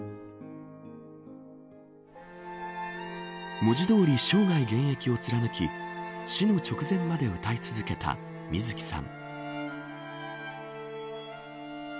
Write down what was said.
文字通り生涯現役を貫き死の直前まで歌い続けた水木さん。